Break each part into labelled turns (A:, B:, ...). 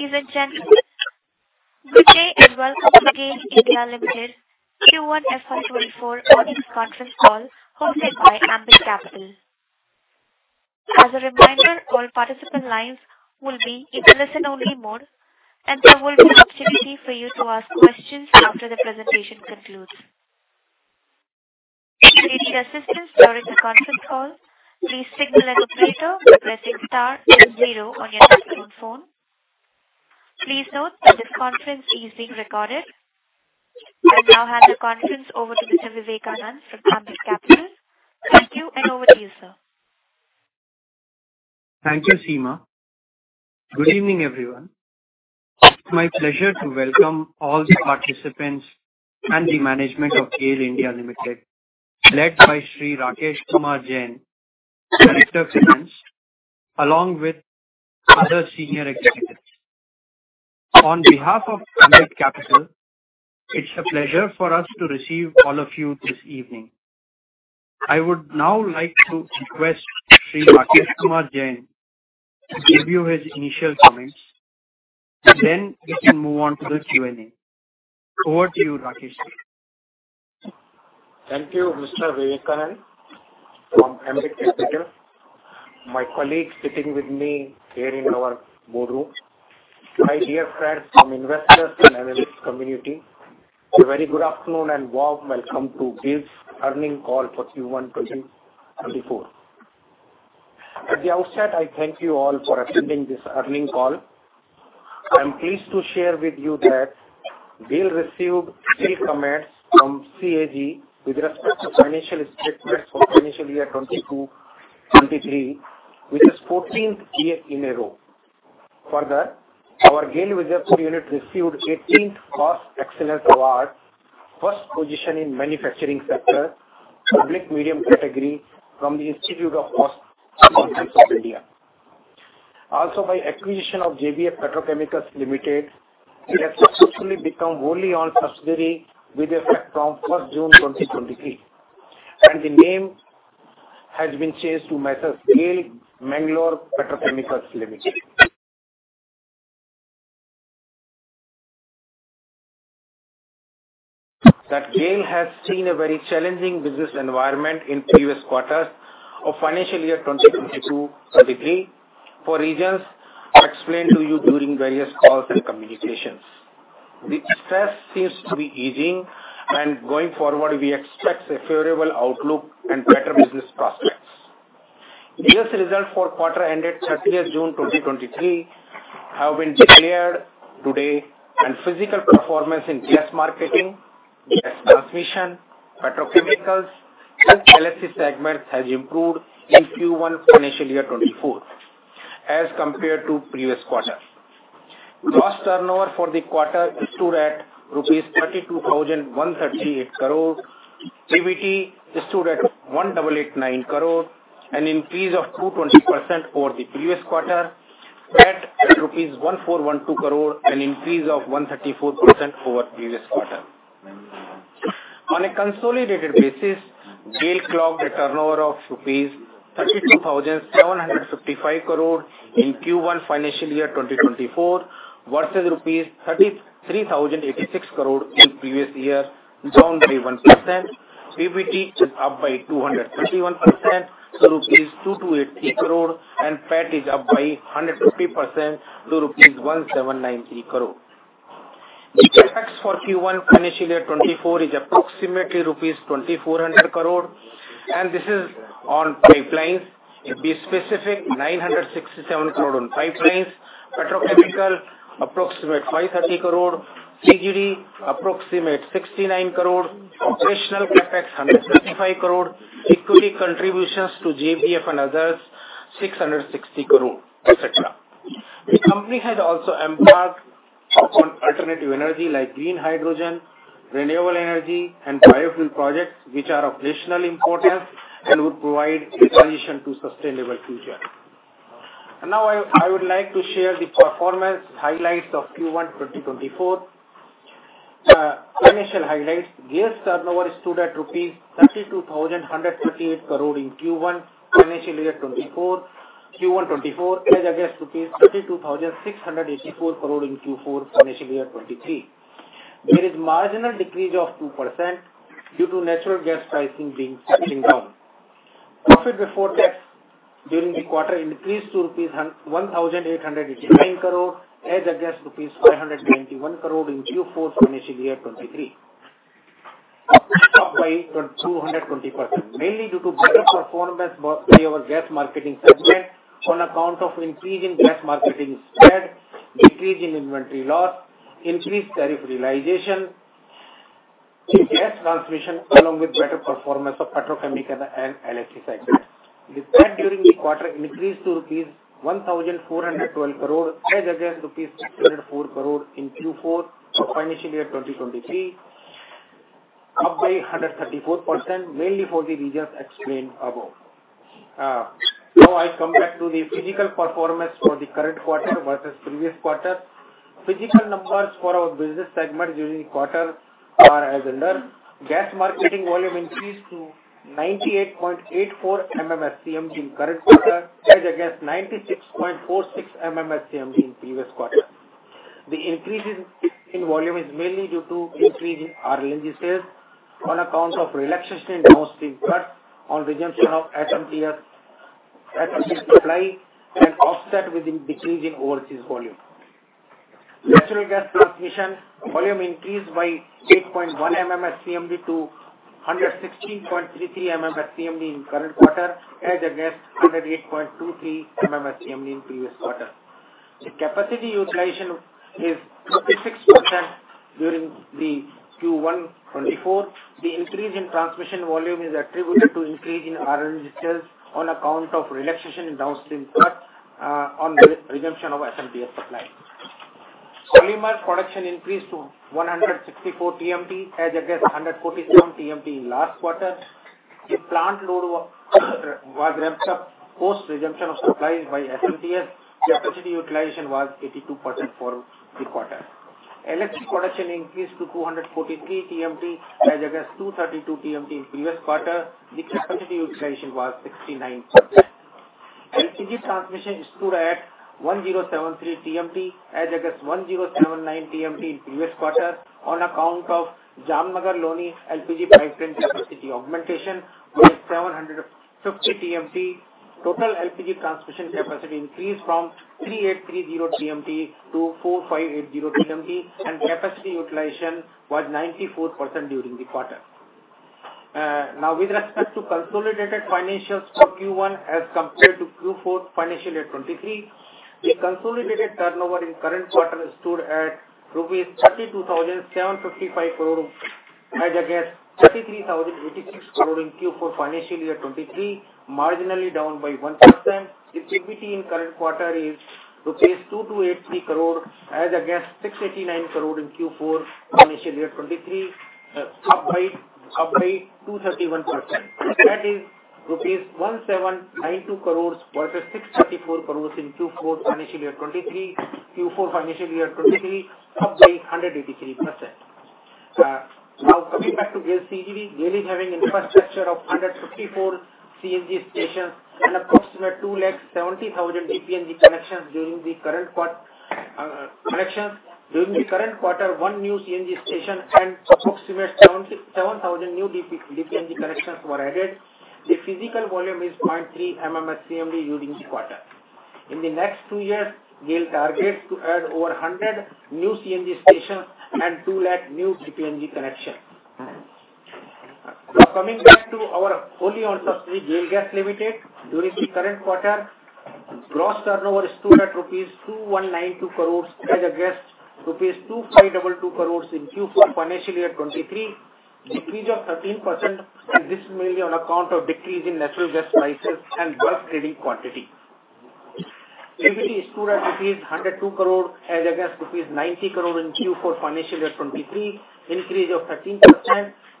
A: Ladies and gentlemen, good day and welcome to GAIL (India) Limited Q1 FY 2024 Earnings Conference Call hosted by Ambit Capital. As a reminder, all participant lines will be in listen-only mode, and there will be opportunity for you to ask questions after the presentation concludes. You need assistance during the conference call, please signal an operator by pressing star zero on your telephone. Please note that this conference is being recorded. I now hand the conference over to Mr. Vivekananda from Ambit Capital. Thank you, and over to you, sir.
B: Thank you, Seema. Good evening, everyone. It's my pleasure to welcome all the participants and the management of GAIL India Limited, led by Sri Rakesh Kumar Jain, Director of Finance, along with other senior executives. On behalf of Ambit Capital, it's a pleasure for us to receive all of you this evening. I would now like to request Sri Rakesh Kumar Jain to give you his initial comments, and then we can move on to the Q&A. Over to you, Rakesh.
C: Thank you, Mr. Vivekananda, from Ambit Capital. My colleagues sitting with me here in our boardroom, my dear friends from investors and analyst community, a very good afternoon and warm welcome to this earning call for Q1 2024. At the outset, I thank you all for attending this earning call. I'm pleased to share with you that GAIL received clean comments from CAG with respect to financial statements for financial year 2022/2023, which is 14th year in a row. Further, our GAIL Vijaipur unit received 18th Cost Excellence Award, first position in manufacturing sector, public medium category from the Institute of Cost Accountants of India. Also, by acquisition of JBF Petrochemicals Limited, we have successfully become wholly-owned subsidiary with effect from 1st June 2023, and the name has been changed to GAIL Mangalore Petrochemicals Limited. That GAIL has seen a very challenging business environment in previous quarters of financial year 2022/2023, for reasons explained to you during various calls and communications. Going forward, we expect a favorable outlook and better business prospects. Business results for quarter ended June 30, 2023 have been declared today, and physical performance in gas marketing, gas transmission, petrochemicals, and LHC segments has improved in Q1 financial year 2024, as compared to previous quarter. Gross turnover for the quarter stood at rupees 32,138 crore. PBT stood at 1,889 crore, an increase of 220% over the previous quarter, at rupees 1,412 crore, an increase of 134% over previous quarter. On a consolidated basis, GAIL clocked a turnover of INR 32,755 crore in Q1 financial year 2024, versus INR 33,086 crore in previous year, down by 1%. PBT is up by 231%, INR 2,283 crore. PAT is up by 150% to INR 1,793 crore. The CapEx for Q1 financial year 2024 is approximately rupees 2,400 crore. This is on pipelines. To be specific, 967 crore on pipelines, petrochemical, approximate 530 crore, CGD, approximate 69 crore, operational CapEx, 135 crore, equity contributions to JBF and others, 660 crore, et cetera. The company has also embarked on alternative energy like green hydrogen, renewable energy, and biofuel projects, which are of national importance and would provide a transition to sustainable future. I would like to share the performance highlights of Q1 2024. Financial highlights. Gas turnover stood at rupees 32,138 crore in Q1, financial year 2024. Q1 2024 as against rupees 32,684 crore in Q4, financial year 2023. There is marginal decrease of 2% due to natural gas pricing staying down. PBT during the quarter increased to 1,889 crore rupees, as against 591 crore rupees in Q4, financial year 2023. Up by 220%, mainly due to better performance by our gas marketing segment on account of increase in gas marketing spread, decrease in inventory loss, increased tariff realization, gas transmission, along with better performance of petrochemical and LHC segment. The PAT during the quarter increased to rupees 1,412 crore, as against rupees 604 crore in Q4 of financial year 2023, up by 134%, mainly for the reasons explained above. Now I come back to the physical performance for the current quarter versus previous quarter. Physical numbers for our business segment during the quarter are as under: gas marketing volume increased to 98.84 MMSCMD in current quarter, as against 96.46 MMSCMD in previous quarter. The increase in volume is mainly due to increase in our LNG sales on accounts of relaxation in downstream, on resumption of SMTS supply and offset with the decrease in overseas volume. Natural gas transmission volume increased by 8.1 MMSCMD to 116.33 MMSCMD in current quarter, as against 108.23 MMSCMD in previous quarter. The capacity utilization is 56% during the Q1 2024. The increase in transmission volume is attributed to increase in RNG sales on account of relaxation in downstream, on re-resumption of SMTS supply. Polymers production increased to 164 TMT, as against 147 TMT in last quarter. The plant load was ramped up post resumption of supplies by SMTS. The capacity utilization was 82% for the quarter. Electric production increased to 243 TMT, as against 232 TMT in previous quarter. The capacity utilization was 69%. LPG transmission stood at 1,073 TMT, as against 1,079 TMT in previous quarter, on account of Jamnagar-Loni LPG pipeline capacity augmentation by 750 TMT. Total LPG transmission capacity increased from 3,830 TMT to 4,580 TMT, capacity utilization was 94% during the quarter. Now, with respect to consolidated financials for Q1 as compared to Q4 financial year 2023, the consolidated turnover in current quarter stood at rupees 32,755 crore, as against 33,086 crore in Q4 financial year 2023, marginally down by 1%. The PBT in current quarter is INR 2,283 crore, as against 689 crore in Q4 financial year 2023, up by 231%. That is 1,792 crore versus 634 crore in Q4 financial year 2023, Q4 financial year 2023, up by 183%. Now coming back to GAIL CDG, GAIL is having infrastructure of 154 CNG stations and approximately 270,000 DPNG connections during the current connections. During the current quarter, one new CNG station and approximately 77,000 new DPNG connections were added. The physical volume is 0.3 MMSCMD during the quarter. In the next two years, GAIL targets to add over 100 new CNG stations and 200,000 new DPNG connections. Now, coming back to our wholly-owned subsidiary, GAIL Gas Limited. During the current quarter, gross turnover stood at rupees 2,192 crore, as against rupees 2,522 crore in Q4 financial year 2023, increase of 13%. This is mainly on account of decrease in natural gas prices and gas trading quantity. EBT stood at rupees 102 crore, as against rupees 90 crore in Q4 financial year 2023, increase of 13%.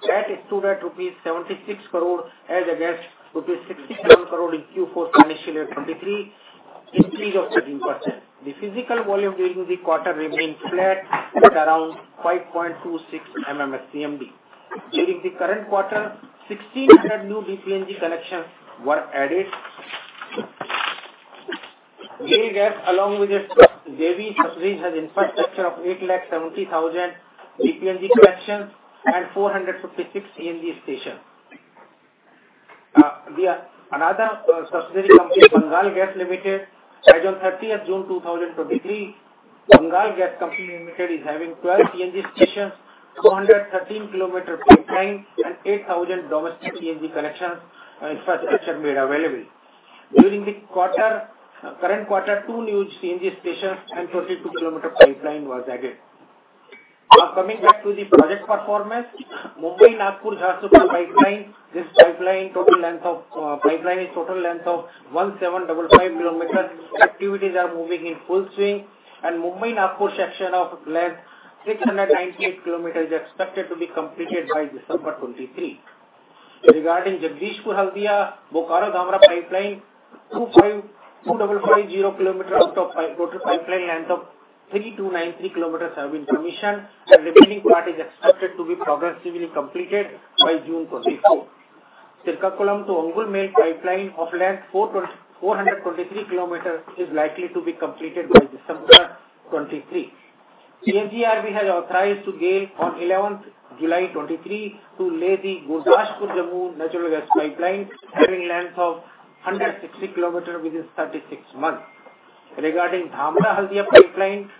C: PAT stood at rupees 76 crore as against rupees 67 crore in Q4 financial year 2023, increase of 13%. The physical volume during the quarter remained flat at around 5.26 MMSCMD. During the current quarter, 1,600 new DPNG connections were added. GAIL Gas, along with its JV subsidiaries, has infrastructure of 870,000 DPNG connections and 456 CNG stations. The another subsidiary company, Bengal Gas Company Limited, as on June 30, 2023, Bengal Gas Company Limited is having 12 CNG stations, 213 km pipeline, and 8,000 domestic CNG connections, infrastructure made available. During the current quarter, two new CNG stations and 32 km pipeline was added. Now, coming back to the project performance, Mumbai-Nagpur gas pipeline. This pipeline, total length of pipeline is total length of 1,755 km. Activities are moving in full swing, and Mumbai-Nagpur section of length 698 km is expected to be completed by December 2023. Regarding Jagdishpur-Haldia, Bokaro-Dhamra pipeline, 2.2550 km out of total pipeline length of 3,293 km have been commissioned, and the remaining part is expected to be progressively completed by June 2024. Srikakulam to Ongole main pipeline of length 423 km is likely to be completed by December 2023. PNGRB has authorized GAIL on 11th July 2023 to lay the Gurdaspur-Jammu natural gas pipeline, having length of 160 km within 36 months. Regarding Dhamra-Haldia pipeline,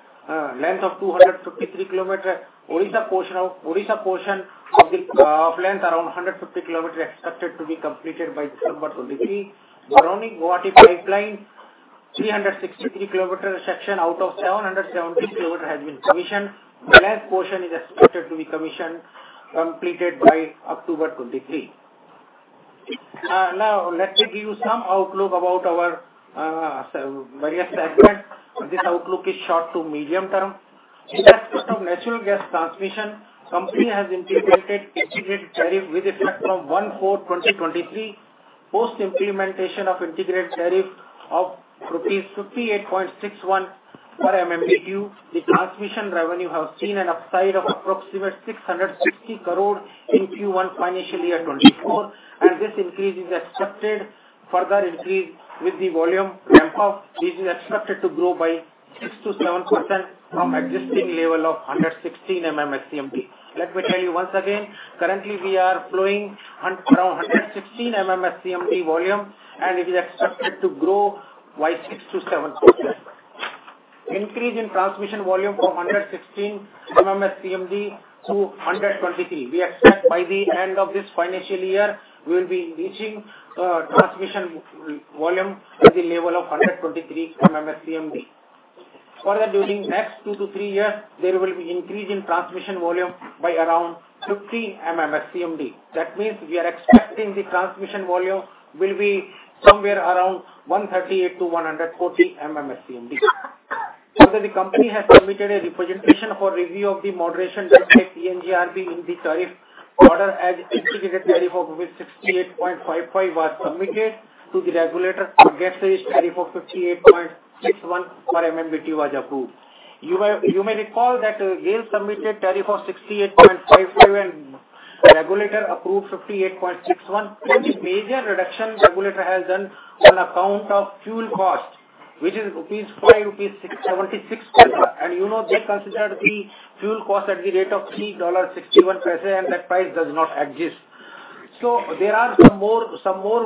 C: length of 253 km, Odisha portion of the length around 150 km, expected to be completed by December 2023. Barauni-Guwahati pipeline, 363 km section out of 770 km has been commissioned. The last portion is expected to be commissioned, completed by October 2023. Now, let me give you some outlook about our various segments. This outlook is short to medium term. In aspect of natural gas transmission, company has implemented tariff with effect from 01/04/2023. Post implementation of integrated tariff of 58.61 rupees per MMBtu, the transmission revenue have seen an upside of approximate 660 crore in Q1 financial year 2024. This increase is expected further increase with the volume ramp up. This is expected to grow by 6%-7% from existing level of 116 MMSCMD. Let me tell you once again, currently we are flowing on around 116 MMSCMD volume, and it is expected to grow by 6%-7%. Increase in transmission volume from 116 MMSCMD to 123 MMSCMD. We expect by the end of this financial year, we will be reaching, transmission volume at the level of 123 MMSCMD. Further, during next two to three years, there will be increase in transmission volume by around 50 MMSCMD. That means we are expecting the transmission volume will be somewhere around 138 MMSCMD-140 MMSCMD. Further, the company has submitted a representation for review of the moderation done by PNGRB in the tariff order as integrated tariff of 68.5 was submitted to the regulator for gas tariff of 58.61 per MMBtu was approved. You may recall that GAIL submitted tariff of 68.57, regulator approved 58.61. The major reduction regulator has done on account of fuel cost, which is 5.76 rupees. You know, they considered the fuel cost at the rate of $3.61, and that price does not exist. There are some more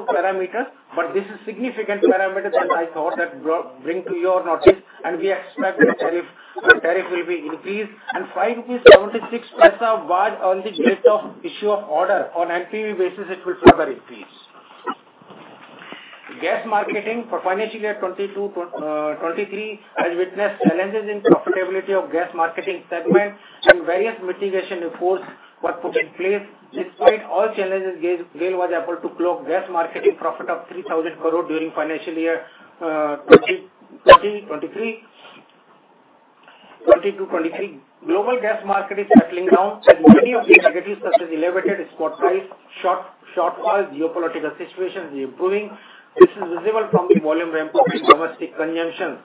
C: parameters, but this is significant parameter that I thought that bring to your notice, and we expect the tariff will be increased. And 5.76 rupees was on the date of issue of order. On NPV basis, it will further increase. Gas marketing for financial year 2022/2023 has witnessed challenges in profitability of gas marketing segment, and various mitigation efforts were put in place. Despite all challenges, GAIL was able to clock gas marketing profit of 3,000 crore during financial year 2022/2023. Global gas market is settling down, and many of the negatives such as elevated spot price, shortfall, geopolitical situation is improving. This is visible from the volume ramp up in domestic consumption.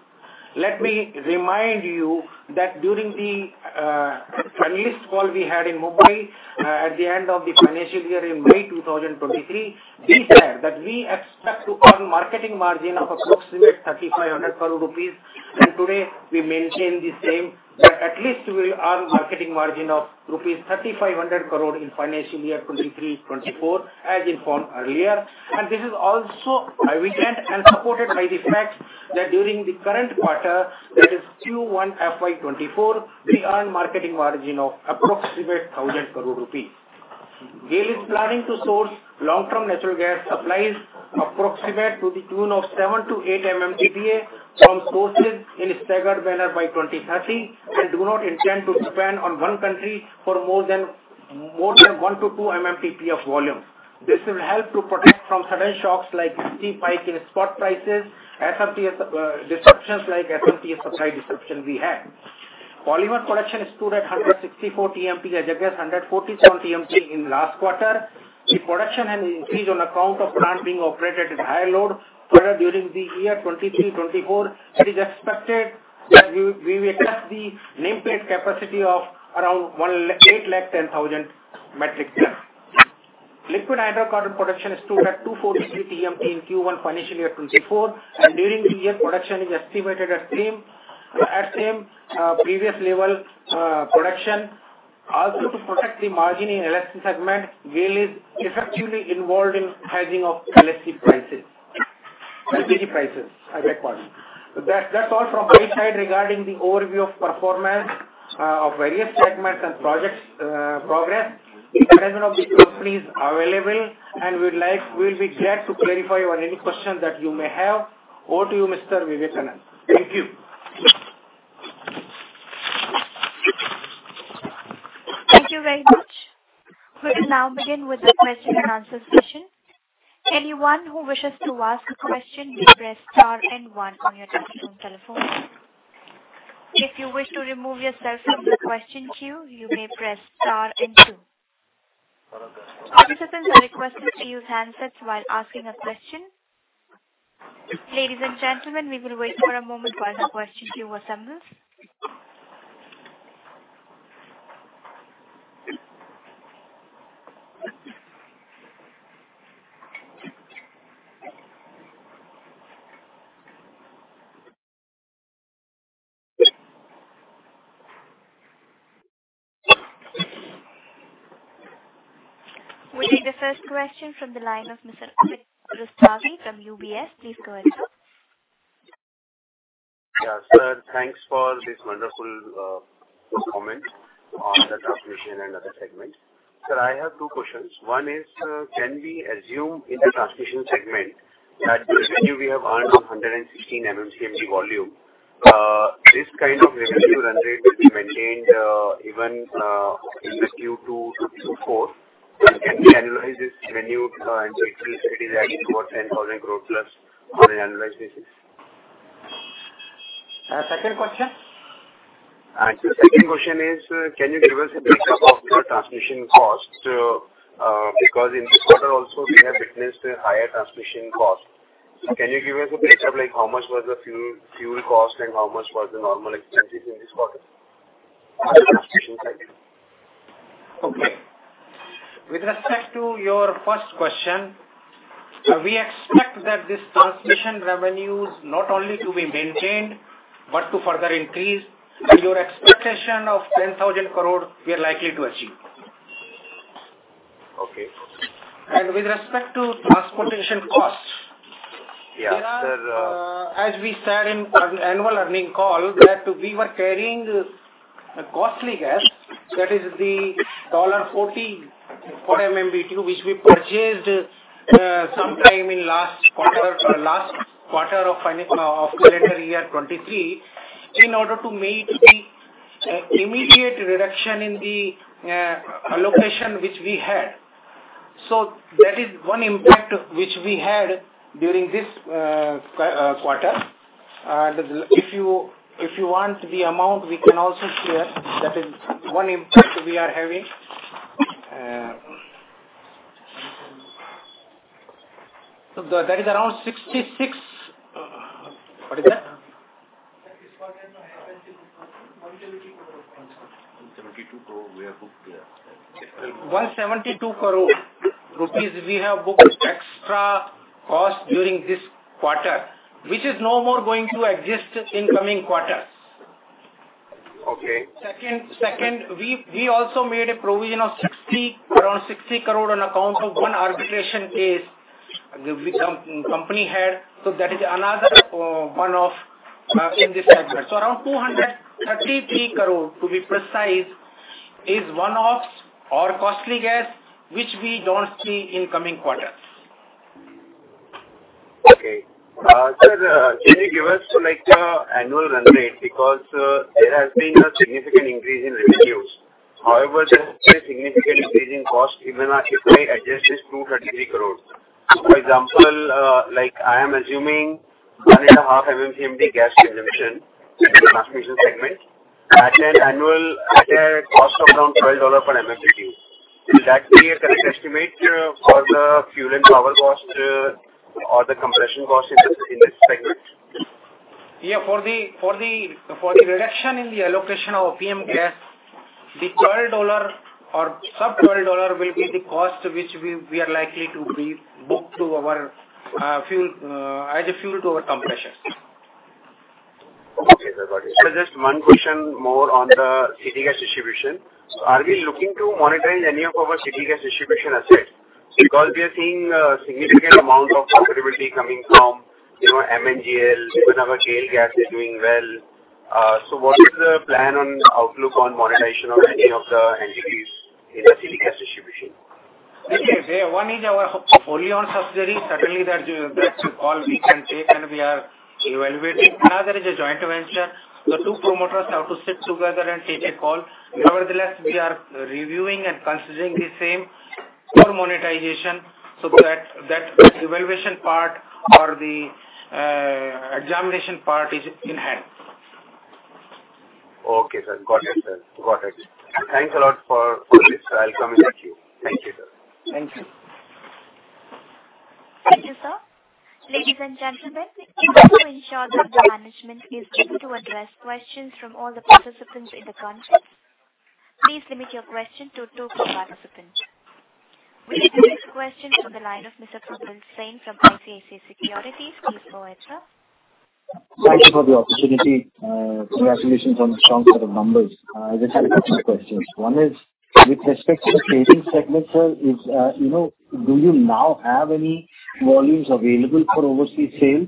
C: Let me remind you that during the analyst call we had in Mumbai, at the end of the financial year in May 2023, we said that we expect to earn marketing margin of approximate 3,500 crore rupees, today we maintain the same, that at least we will earn marketing margin of rupees 3,500 crore in financial year 2023/2024, as informed earlier. This is also evidenced and supported by the fact that during the current quarter, that is Q1 FY 2024, we earned marketing margin of approximate 1,000 crore rupee. GAIL is planning to source long-term natural gas supplies approximate to the tune of 7–8 MMTPA from sources in a staggered manner by 2030, do not intend to depend on one country for more than 1–2 MMTPA of volume. This will help to protect from sudden shocks like steep hike in spot prices, SMTS, disruptions like SMTS supply disruptions we had. Polymer production stood at 164 TMP, as against 147 TMP in last quarter. The production has increased on account of plant being operated at higher load. During the year 2023/2024, it is expected that we will adjust the nameplate capacity of around 810,000 metric ton. Liquid hydrocarbon production stood at 243 TMP in Q1, financial year 2024, during the year production is estimated as same previous level production. To protect the margin in LHC segment, GAIL is effectively involved in pricing of LSC prices—LPG prices, I beg pardon. That's all from my side regarding the overview of performance of various segments and projects progress. The management of the company is available, and We'll be glad to clarify on any questions that you may have. Over to you, Mr. Vivekananda. Thank you.
A: Thank you very much. We will now begin with the question and answer session. Anyone who wishes to ask a question, may press star and one on your telephone. If you wish to remove yourself from the question queue, you may press star and two. Participants are requested to use handsets while asking a question. Ladies and gentlemen, we will wait for a moment while the question queue assembles. We take the first question from the line of Mr. Amit Rustagi from UBS. Please go ahead.
D: Yeah, sir, thanks for this wonderful comment on the transmission and other segments. Sir, I have two questions. One is, can we assume in the transmission segment that the revenue we have earned on 116 MMSCMD volume, this kind of revenue run rate will be maintained even in this Q2-Q4? Can we annualize this revenue, and it is actually what 10% growth plus on an annualized basis?
C: Second question?
D: Actually, second question is, can you give us a breakdown of your transmission costs, because in this quarter also we have witnessed a higher transmission cost. Can you give us a breakup, like, how much was the fuel, fuel cost, and how much was the normal expenses in this quarter? Thank you.
C: Okay. With respect to your first question, we expect that this transmission revenues not only to be maintained, but to further increase. Your expectation of 10,000 crore we are likely to achieve.
D: Okay.
C: With respect to transportation costs.
D: Yeah, sir.
C: As we said in our annual earnings call, that we were carrying a costly gas, that is the $1.40 for MMBtu, which we purchased sometime in last quarter of calendar year 2023, in order to meet the immediate reduction in the allocation which we had. That is one impact which we had during this quarter. If you want the amount, we can also share. That is one impact we are having. That is around 66. What is that? 172 crore rupees we have booked extra cost during this quarter, which is no more going to exist in coming quarters.
D: Okay.
C: Second, we also made a provision of around 60 crore on account of one arbitration case the company had. That is another one-off in this segment. Around 233 crore to be precise, is one-offs or costly gas, which we don't see in coming quarters.
D: Okay. sir, can you give us like a annual run rate? Because, there has been a significant increase in revenues. However, there's a significant increase in cost, even after we adjust this 233 crore. For example, like, I am assuming 1.5 MMSCMD gas consumption in the transmission segment at an annual—at a cost of around $12 per MMBtu. Will that be a correct estimate for the fuel and power cost, or the compression cost in this segment?
C: Yeah, for the reduction in the allocation of APM gas, the $12 or sub $12 will be the cost which we are likely to be booked to our fuel as a fuel to our compression.
D: Okay, sir, got it. Sir, just one question more on the city gas distribution. Are we looking to monetize any of our city gas distribution assets? Because we are seeing a significant amount of profitability coming from, you know, MNGL, even our GAIL Gas is doing well. What is the plan on outlook on monetization of any of the entities in the city gas distribution?
C: Okay, there, one is our wholly owned subsidiary. Certainly, that call we can take. We are evaluating. Another is a joint venture. The two promoters have to sit together and take a call. Nevertheless, we are reviewing and considering the same for monetization. That evaluation part or the examination part is in hand.
D: Okay, sir. Got it, sir. Got it. Thanks a lot for this. I'll come back to you. Thank you, sir.
C: Thank you.
A: Thank you, sir. Ladies and gentlemen, in order to ensure that the management is able to address questions from all the participants in the conference, please limit your question to two participants. We take the next question from the line of Mr. Probal Sen from ICICI Securities. Please go ahead, sir.
E: Thank you for the opportunity. Congratulations on the strong set of numbers. I just have a couple of questions. One is, with respect to the trading segment, sir, is—you know, do you now have any volumes available for overseas sale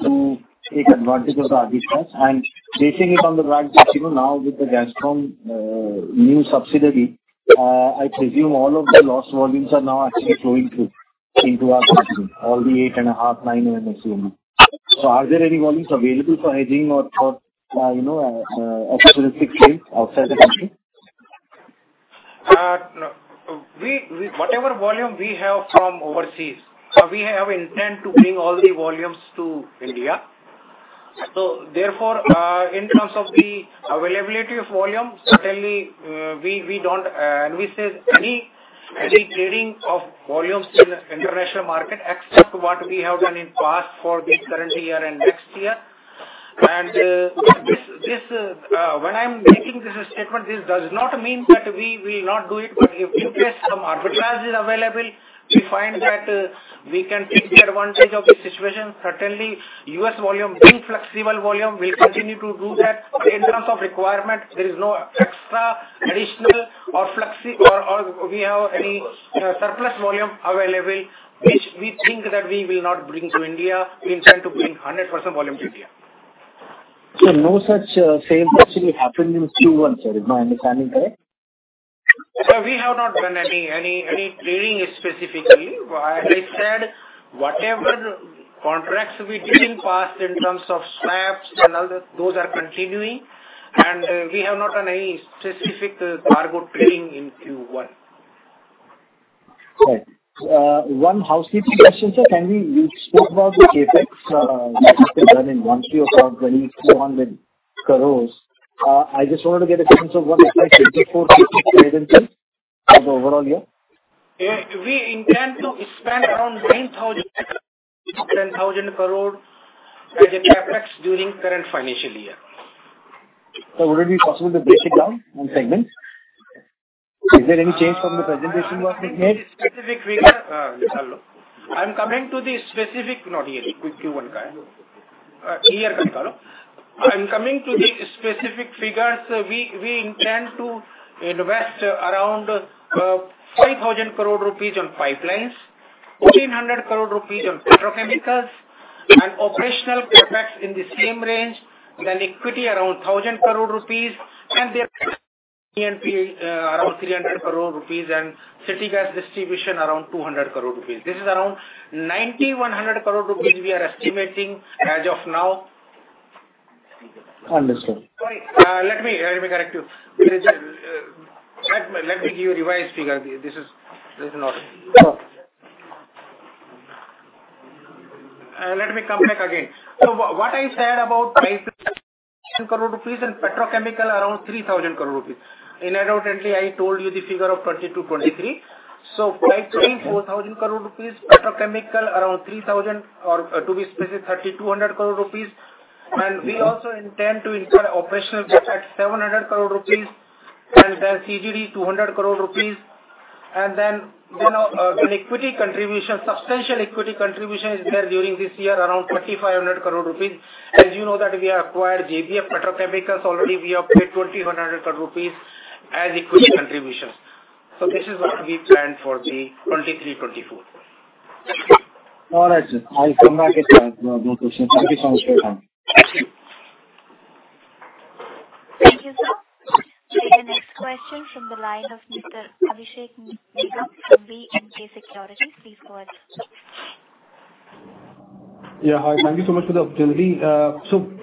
E: to take advantage of the arbitrage? Basing it on the right, you know, now with the Gazprom new subsidiary, I presume all of the lost volumes are now actually flowing through into our system, all the 8.5, 9 MMSCMD. Are there any volumes available for hedging or for, you know, opportunistic trade outside the country?
C: No. Whatever volume we have from overseas, we have intent to bring all the volumes to India. Therefore, in terms of the availability of volume, certainly, we don't envisage any trading of volumes in the international market except what we have done in the past for this current year and next year. When I'm making this statement, this does not mean that we will not do it, but if in case some arbitrage is available, we find that we can take the advantage of the situation. Certainly, U.S. volume, being flexible volume, we'll continue to do that. In terms of requirement, there is no extra, additional or flexi or we have any surplus volume available, which we think that we will not bring to India. We intend to bring 100% volume to India.
E: No such sale actually happened in Q1, sir, is my understanding correct?
C: Sir, we have not done any trading specifically. As I said, whatever contracts we did in past in terms of swaps and all that, those are continuing, and we have not done any specific cargo trading in Q1.
E: Right. One housekeeping question, sir. You spoke about the CapEx, done in 1Q for 400 crore. I just wanted to get a sense of what the Q4 for the overall year?
C: Yeah, we intend to spend around 9,000 crore-10,000 crore as a CapEx during current financial year.
E: Would it be possible to break it down on segments? Is there any change from the presentation you have made?
C: Specific figure, I'm coming to the specific, not here, quickly one guy. Clear control. I'm coming to the specific figures. We intend to invest around 5,000 crore rupees on pipelines, 1,400 crore rupees on petrochemicals, operational CapEx in the same range, equity around 1,000 crore rupees, around 300 crore rupees, city gas distribution around 200 crore rupees. This is around 90 crore-100 crore rupees we are estimating as of now.
E: Understood.
C: Let me, let me correct you. Let me give you a revised figure. This is, this is not.
E: Sure.
C: Let me come back again. What I said about pipeline crore rupees and petrochemical around 3,000 crore rupees. In undoubtedly, I told you the figure of 2022/2023. Pipeline 4,000 crore rupees, petrochemical around 3,000 crore rupees, or to be specific, 3,200 crore rupees. We also intend to incur operational CapEx, 700 crore rupees, then CGD, 200 crore rupees. You know, an equity contribution, substantial equity contribution is there during this year, around 2,500 crore rupees. As you know that we have acquired JBF Petrochemicals. Already we have paid 2,100 crore rupees as equity contributions. This is what we planned for the 2023/2024.
E: All right, sir. I'll come back again. No, no questions. Thank you so much for your time.
C: Thank you.
A: Thank you, sir. The next question from the line of Mr. Abhishek Nigam from B&K Securities. Please go ahead, sir.
F: Yeah, hi. Thank you so much for the opportunity.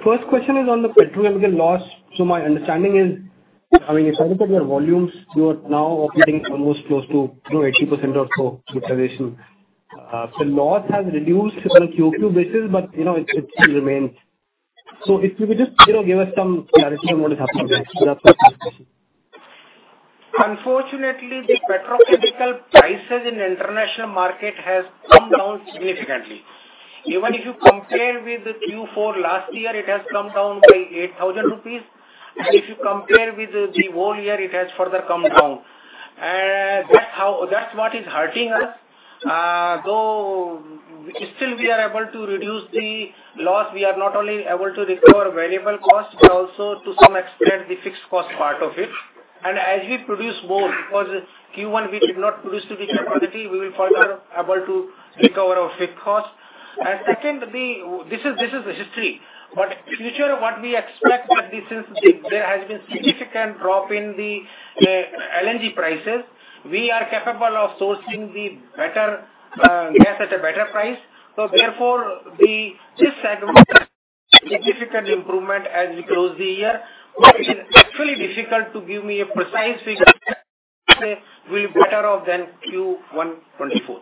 F: First question is on the petrochemical loss. My understanding is, I mean, if you look at your volumes, you are now operating almost close to, you know, 80% or so utilization. The loss has reduced on a Q2 basis, but, you know, it still remains. If you could just, you know, give us some clarity on what is happening there?
C: Unfortunately, the petrochemical prices in the international market has come down significantly. Even if you compare with the Q4 last year, it has come down by 8,000 rupees, if you compare with the whole year, it has further come down. That's what is hurting us. Though still we are able to reduce the loss, we are not only able to recover variable costs, but also to some extent, the fixed cost part of it. As we produce more, because Q1 we did not produce to the capacity, we will further able to recover our fixed costs. Second, this is the history, but future what we expect that there has been significant drop in the LNG prices. We are capable of sourcing the better gas at a better price. This segment, a significant improvement as we close the year. It is actually difficult to give me a precise figure, will be better off than Q1 2024.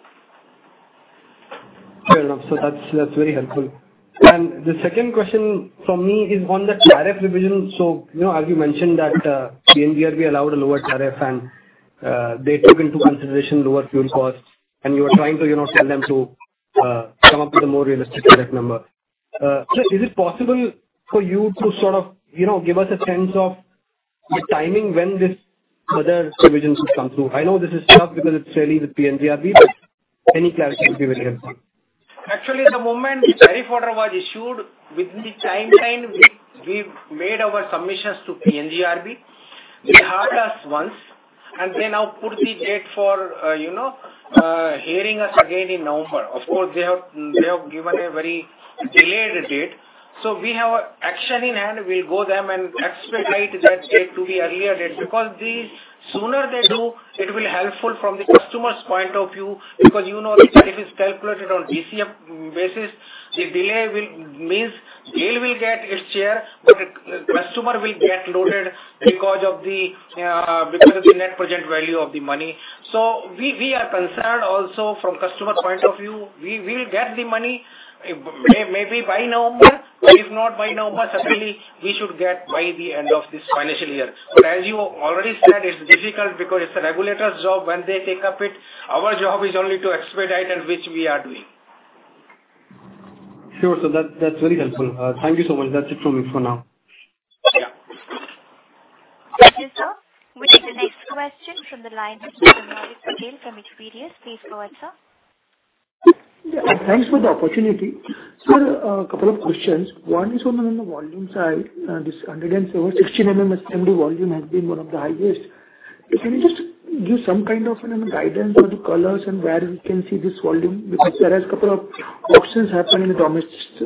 F: Fair enough. That's, that's very helpful. The second question from me is on the tariff revision. You know, as you mentioned that, the PNGRB allowed a lower tariff, and they took into consideration lower fuel costs, and you are trying to, you know, tell them to come up with a more realistic tariff number. Is it possible for you to sort of, you know, give us a sense of the timing when this further revision will come through? I know this is tough because it's really with PNGRB, but any clarity would be very helpful.
C: Actually, the moment the tariff order was issued, within the timeline, we made our submissions to PNGRB. They heard us once. They now put the date for, you know, hearing us again in November. Of course, they have given a very delayed date. We have action in hand. We'll go them and expedite that date to the earlier date, because the sooner they do, it will helpful from the customer's point of view, because you know, the tariff is calculated on BCM basis. The delay will means GAIL will get its share. The customer will get loaded because of the net present value of the money. We are concerned also from customer's point of view. We'll get the money maybe by November, if not by November, certainly we should get by the end of this financial year. As you already said, it's difficult because it's the regulator's job when they take up it. Our job is only to expedite, which we are doing.
F: Sure, so that, that's very helpful. Thank you so much. That's it from me for now.
C: Yeah.
A: Thank you, sir. The next question from the line of Mr. Maulik Patel from Equirus. Please go ahead, sir.
G: Yeah, thanks for the opportunity. Sir, a couple of questions. One is on the volume side, this 116 MMSCMD volume has been one of the highest. Can you just give some kind of, you know, guidance on the colors and where we can see this volume? Because there are a couple of auctions happening in the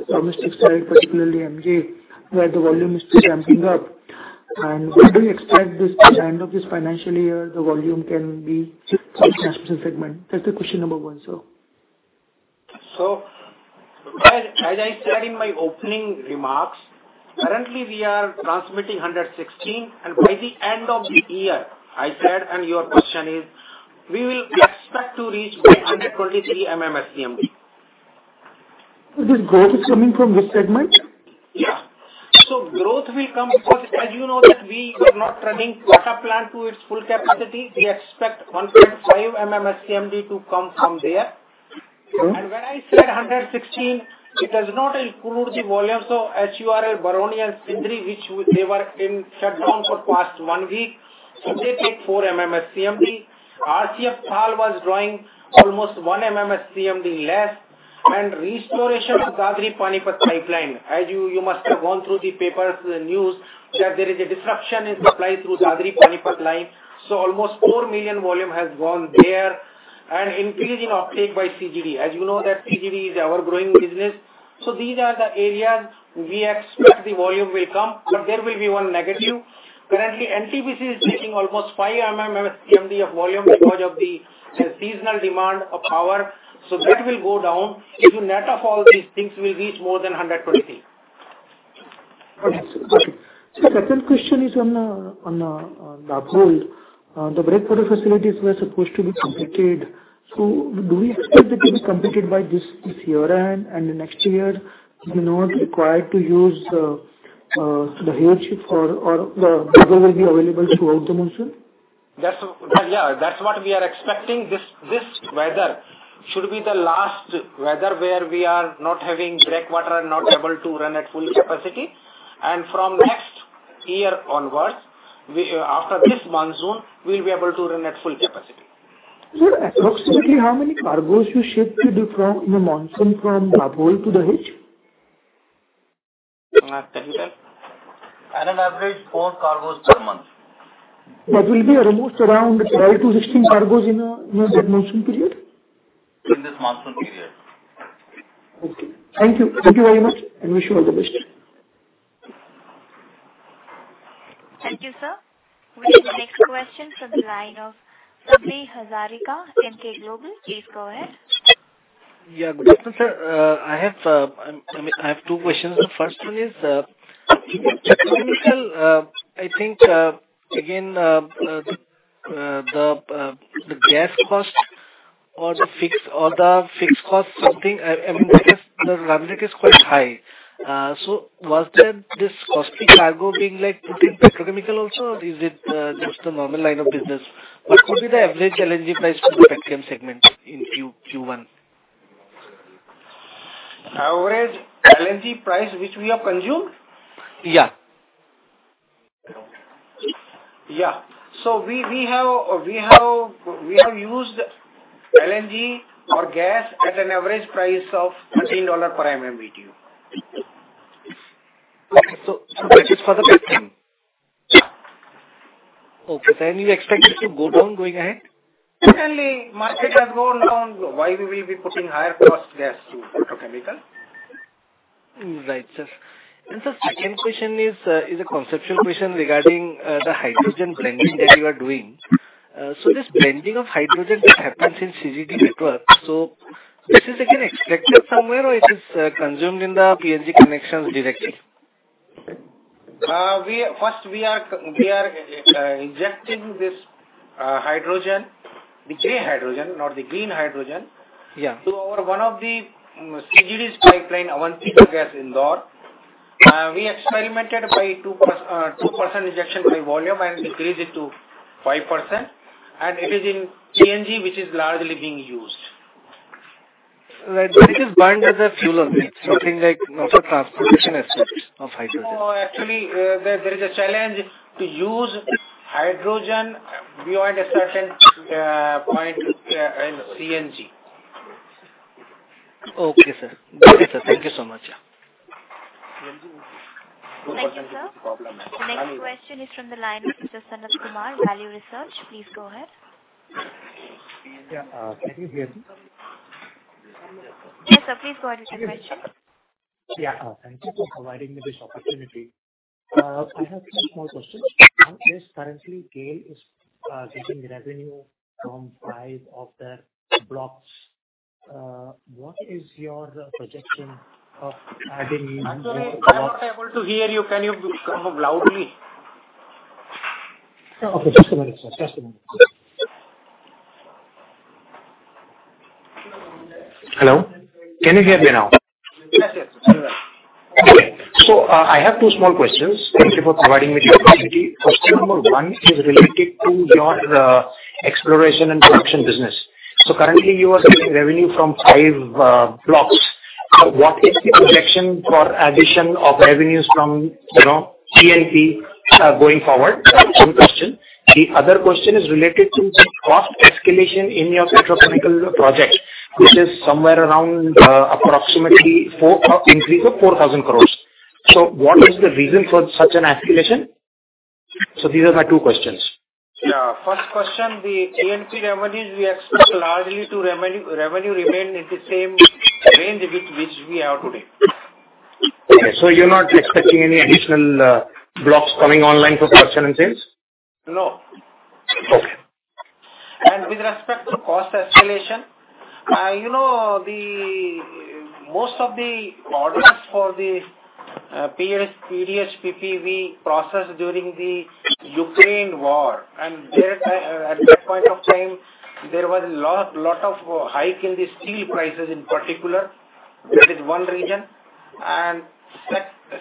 G: domestic side, particularly MG, where the volume is still ramping up. What do you expect this end of this financial year, the volume can be from specific segment? That's the question number one, sir.
C: As I said in my opening remarks, currently we are transmitting 116, and by the end of the year, I said, and your question is, we will expect to reach by 123 MMSCMD.
G: This growth is coming from this segment?
C: Yeah. Growth will come, because as you know, that we are not running petchem plant to its full capacity. We expect 123 MMSCMD to come from there.
G: Okay.
C: When I said 116, it does not include the volumes of HURL, Barauni and Sindri, which they were in shutdown for past one week, so they take 4 MMSCMD. RCF Thal was drawing almost 1 MMSCMD less. Restoration of Dadri-Panipat pipeline. As you must have gone through the papers, the news, that there is a disruption in supply through Dadri-Panipat line, so almost four million volume has gone there. Increase in off take by CGD. As you know that CGD is our growing business. These are the areas we expect the volume will come, but there will be one negative. Currently, NTPC is taking almost 5 MMSCMD of volume because of the seasonal demand of power, so that will go down. If you net off all these things, we reach more than 123.
G: Okay. Sir, the second question is on Dabhol. The breakwater facilities were supposed to be completed, so do we expect it to be completed by this year-end? The next year, you not required to use the hedge ship or the cargo will be available throughout the monsoon?
C: That's, Yeah, that's what we are expecting. This weather should be the last weather where we are not having breakwater and not able to run at full capacity. From next year onwards, we—after this monsoon, we'll be able to run at full capacity.
G: Sir, approximately how many cargoes you ship in the monsoon from Dabhol to the hedge?
C: Can I tell you that? At an average, four cargoes per month.
G: That will be almost around 12-16 cargoes in a monsoon period?
C: In this monsoon period.
G: Okay. Thank you. Thank you very much, and wish you all the best.
A: Thank you, sir. We take the next question from the line of Sabri Hazarika, Emkay Global. Please go ahead.
H: Yeah, good morning, sir. I have two questions. The first one is, I think, again, the gas cost or the fixed, or the fixed cost, something, I mean, the gas, the rhetoric is quite high. Was there this costly cargo being like put in petrochemical also, or is it just the normal line of business? What could be the average LNG price for the Petchem segment in Q1?
C: Average LNG price which we have consumed?
H: Yeah.
C: Yeah. We have used LNG or gas at an average price of $13 per MMBtu.
H: That is for the Petchem?
C: Yeah.
H: Okay. you expect it to go down going ahead?
C: Certainly, market has gone down. Why we will be putting higher cost gas to petrochemical?
H: Right, sir. The second question is, is a conceptual question regarding the hydrogen blending that you are doing. So this blending of hydrogen happens in CGD network, so this is again extracted from somewhere, or it is consumed in the PNG connections directly?
C: We—first we are injecting this hydrogen, the gray hydrogen, not the green hydrogen.
H: Yeah
C: To our on of the CGD's pipeline, Aavantika Gas, Indore. We experimented by 2% injection by volume and increase it to 5%, and it is in CNG, which is largely being used.
H: Right. It is burned as a fuel only, nothing like not for transportation aspects of hydrogen.
C: No, actually, there, there is a challenge to use hydrogen beyond a certain point in CNG.
H: Okay, sir. Okay, sir. Thank you so much.
A: Thank you, sir. The next question is from the line of Mr. Sanat Kumar, Value Research. Please go ahead.
I: Yeah, can you hear me?
A: Yes, sir, please go ahead with your question.
I: Yeah, thank you for providing me this opportunity. I have two small questions. One is, currently, GAIL is getting revenue from five of their blocks. What is your projection of adding new?
C: I'm sorry, I'm not able to hear you. Can you come up loudly?
I: Okay, just a moment, sir. Just a moment. Hello, can you hear me now?
C: Yes, yes.
I: Okay. I have two small questions. Thank you for providing me this opportunity. Question number one is related to your exploration and production business. Currently, you are getting revenue from five blocks. What is the projection for addition of revenues from, you know, C&P going forward? That's one question. The other question is related to the cost escalation in your petrochemical project, which is somewhere around approximately four increase of 4,000 crore. What is the reason for such an escalation? These are my two questions.
C: Yeah. First question, the C&P revenues, we expect largely to revenue remain in the same range with which we have today.
I: Okay. you're not expecting any additional blocks coming online for purchase and sales?
C: No. With respect to cost escalation, you know, most of the orders for the PDH-PP process during the Ukraine war, and there—at that point of time, there was a lot of hike in the steel prices in particular. That is one reason.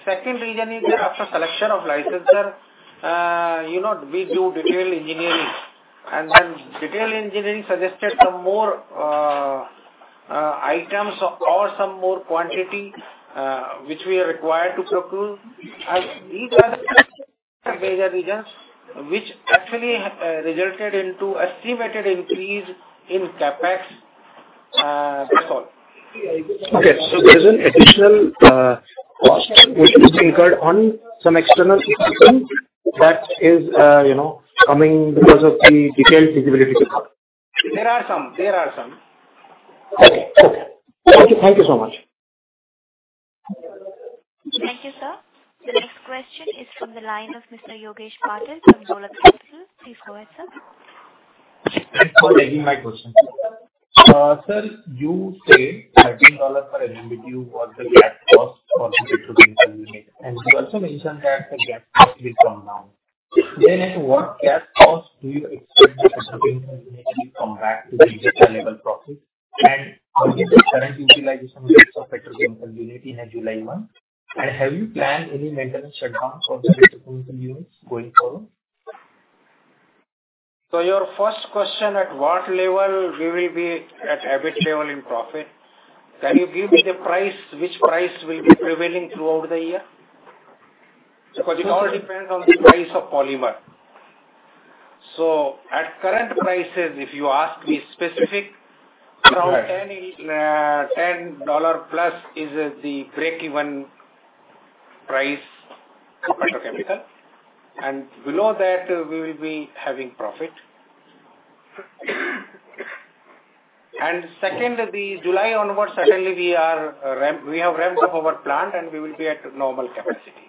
C: Second reason is that after selection of licensor, you know, we do detail engineering, and then detail engineering suggested some more items or some more quantity, which we are required to procure. These are the major reasons which actually resulted into estimated increase in CapEx, that's all.
I: Okay. There is an additional cost which is incurred on some external system that is, you know, coming because of the detailed feasibility study?
C: There are some. There are some.
I: Okay. Okay. Thank you, thank you so much.
A: Thank you, sir. The next question is from the line of Mr. Yogesh Patil, Axis Capital. Please go ahead, sir.
J: Thanks for taking my question. sir, you say $13 per MMBtu was the gap cost for the petrochemical unit, and you also mentioned that the gap cost will come down. At what gap cost do you expect the petrochemical unit to come back to the sustainable profit? What is the current utilization rates of petrochemical unit in July 1, and have you planned any maintenance shutdowns for the petrochemical units going forward?
C: Your first question, at what level we will be at EBIT level in profit, can you give me the price, which price will be prevailing throughout the year? Because it all depends on the price of polymer. At current prices, if you ask me specific, around $10+ is the breakeven price for petrochemical, below that we will be having profit. Second, July onwards, certainly we have ramped up our plant, we will be at normal capacity.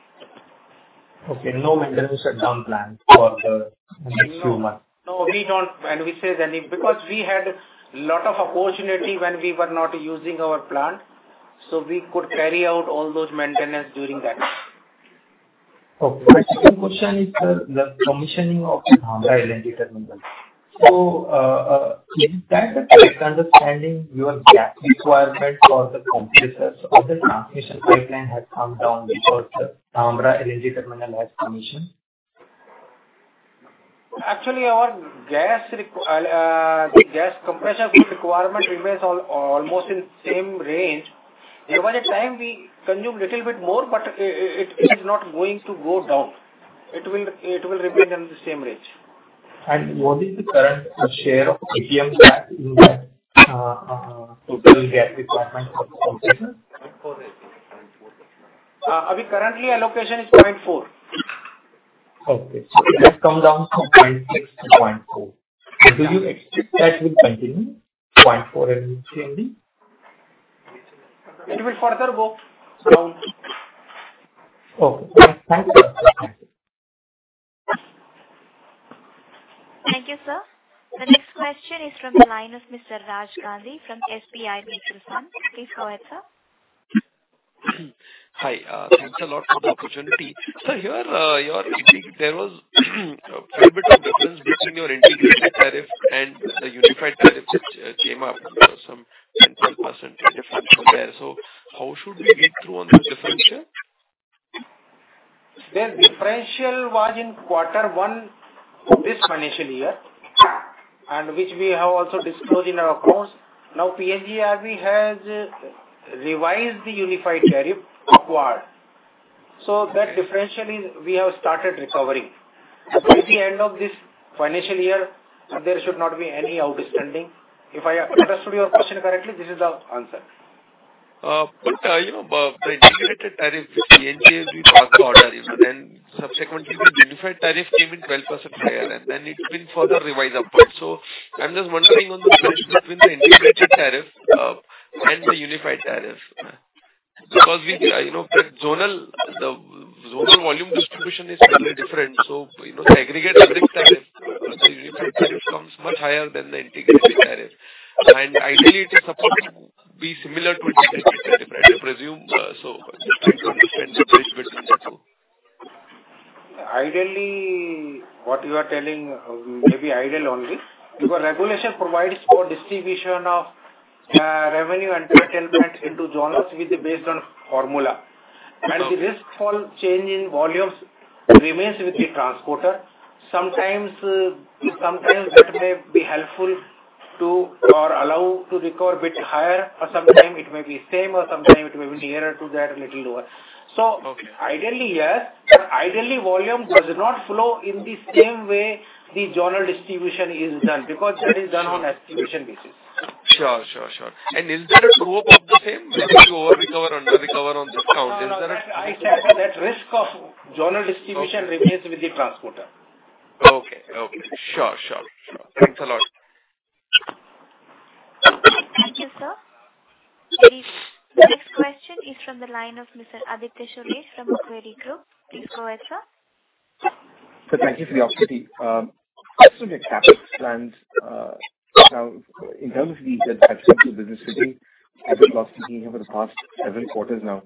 J: Okay, no maintenance shutdown plan for the next few months.
C: No, we don't. We say then if, because we had a lot of opportunity when we were not using our plant, so we could carry out all those maintenances during that time.
J: Okay. Second question is the commissioning of the Dhamra LNG Terminal. Is that a correct understanding, your gas requirement for the compressors of the transmission pipeline has come down because the Dhamra LNG Terminal has commissioned?
C: Actually, our gas compression requirement remains almost in same range. There was a time we consumed little bit more, it is not going to go down. It will remain in the same range.
J: What is the current share of APM gas in the total gas requirement for the compression?
C: Currently allocation is 0.4.
J: Okay. It has come down from 0.6 to 0.4. Do you expect that will continue, 0.4 it will stay only?
C: It will further go down.
J: Okay. Thank you.
A: Thank you, sir. The next question is from the line of Mr. Raj Gandhi from SBI Mutual Fund. Please go ahead, sir.
K: Hi, thanks a lot for the opportunity. Your—there was a little bit of difference between your integrated tariff and the unified tariff, which came up, some 10%-12% differential there. How should we read through on those differential?
C: The differential was in quarter one of this financial year, and which we have also disclosed in our accounts. PNGRB has revised the unified tariff upward, so that differential is, we have started recovering. By the end of this financial year, there should not be any outstanding. If I understood your question correctly, this is the answer.
K: You know, the integrated tariff, which the NGAS passed the order, and subsequently the unified tariff came in 12% higher, and then it's been further revised upward. I'm just wondering on the difference between the integrated tariff and the unified tariff. Because we, you know, the zonal volume distribution is totally different. You know, aggregate tariff, the unified tariff comes much higher than the integrated tariff. Ideally, it is supposed to be similar to integrated tariff, I presume, so I'm just trying to understand the difference between the two.
C: Ideally, what you are telling may be ideal only. Regulation provides for distribution of revenue and settlements into zonals with the based on formula. The risk for change in volumes remains with the transporter. Sometimes, it may be helpful to or allow to recover a bit higher, or sometime it may be same, or sometime it may be nearer to that, a little lower.
K: Okay.
C: Ideally, yes, but ideally, volume does not flow in the same way the zonal distribution is done, because that is done on estimation basis.
K: Sure, sure, sure. Is there a scope of the same, maybe to over-recover, under-recover on this count?
C: I said that risk of zonal distribution remains with the transporter.
K: Okay, okay. Sure, sure, sure. Thanks a lot.
A: From the line of Mr. Aditya Suresh from Macquarie Group. Please go ahead, sir.
L: Sir, thank you for the opportunity. Just on your CapEx plans, now, in terms of the business today, CapEx loss has been here for the past seven quarters now.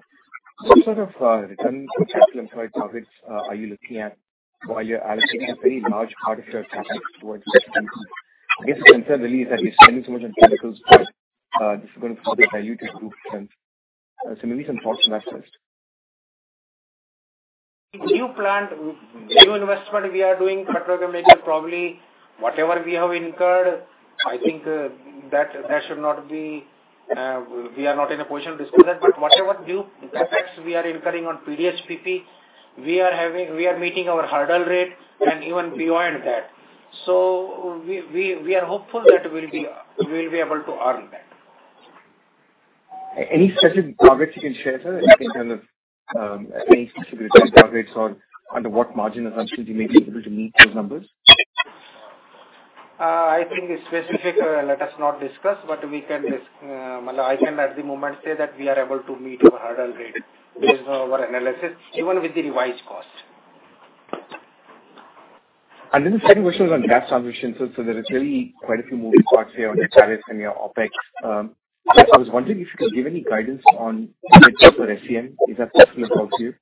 L: What sort of return on capital employed profits are you looking at while you're allocating a very large part of your CapEx towards SCMT? I guess the concern really is that you're spending so much on CapEx, this is going to further dilute your group, and maybe some thoughts from that first.
C: The new plant, new investment we are doing, petrochemical, probably whatever we have incurred, I think, that should not be, we are not in a position to discuss that. Whatever new CapEx we are incurring on PDH-PP, we are meeting our hurdle rate and even beyond that. We are hopeful that we'll be able to earn that.
L: Any specific profits you can share, sir, in terms of, any specific target rates or under what margin assumption you may be able to meet those numbers?
C: I think the specific, let us not discuss, but we can well, I can at the moment say that we are able to meet our hurdle rate based on our analysis, even with the revised cost.
L: The second question was on gas transmission. There is really quite a few moving parts here on your CapEx and your OpEx. I was wondering if you could give any guidance on the SCM. Is that possible at all to you?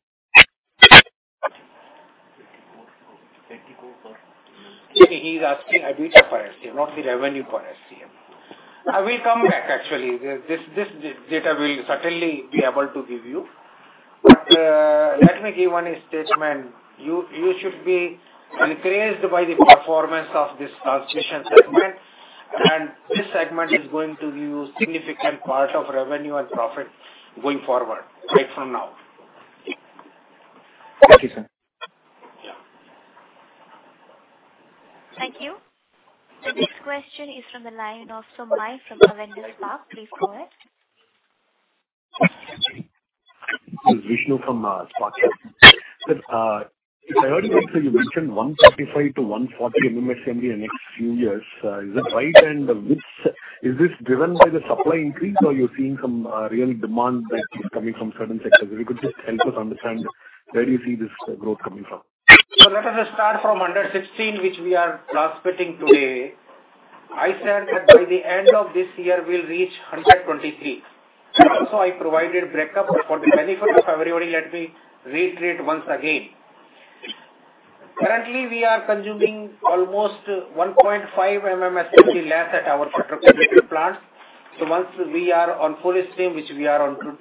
C: He's asking the data for SCM, not the revenue for SCM. I will come back, actually. This data we'll certainly be able to give you. Let me give one statement. You should be encouraged by the performance of this transmission segment, and this segment is going to give you significant part of revenue and profit going forward, right from now.
L: Thank you, sir.
A: Thank you. The next question is from the line of Somai from Avendus Spark. Please go ahead.
M: Vishnu from Spark. Sir, I heard you mention 135–140 MMSMD in the next few years. Is that right? This—Is this driven by the supply increase, or you're seeing some real demand that is coming from certain sectors? If you could just help us understand where do you see this growth coming from?
C: Let us start from under 116, which we are prospecting today. I said that by the end of this year, we'll reach 123. I provided breakup. For the benefit of everybody, let me reiterate once again. Currently, we are consuming almost 1.5 MMSCMD less at our petrochemical plant. Once we are on full stream, which we are today,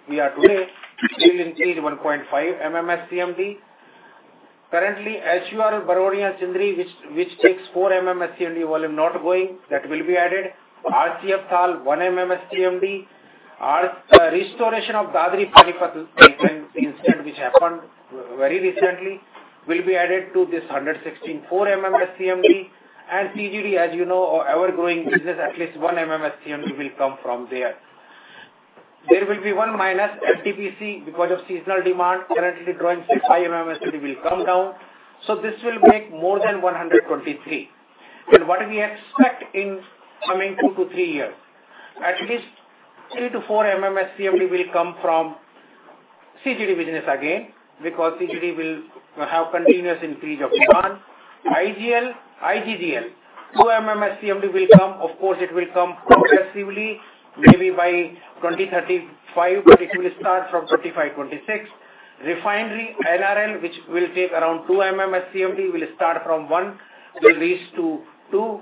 C: we will increase 1.5 MMSCMD. Currently, HUR Barauni and Sindri, which takes 4 MMSCMD volume, not going, that will be added. RCF Thal, 1 MMSCMD. Our restoration of Dadri-Panipat incident, which happened very recently, will be added to this 116 MMSCMD. CGD, as you know, our growing business, at least 1 MMSCMD will come from there. There will be one minus NTPC because of seasonal demand. Currently, growing six, high MMSCMD will come down, so this will make more than 123. What do we expect in coming two to three years? At least 3–4 MMSCMD will come from CGD business again, because CGD will have continuous increase of demand. IGL, IGGL, 2 MMSCMD will come. Of course, it will come progressively, maybe by 2035, but it will start from 2025/2026. Refinery, NRL, which will take around 2 MMSCMD, will start from 1 MMSCMD, will reach to 2 MMSCMD.